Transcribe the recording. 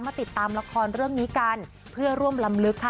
ติดตามละครเรื่องนี้กันเพื่อร่วมลำลึกค่ะ